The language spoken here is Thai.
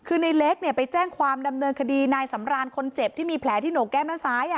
คือในเล็กไปแจ้งความดำเนินคดีนายสำรานคนเจ็บที่มีแผลที่โหนกแก้มด้านซ้าย